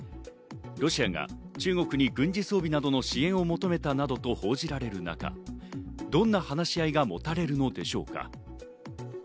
ロシアが中国に軍事装備などの支援を求めたなどと報じられる中、どんな話し合いが持たれるのでしょうか。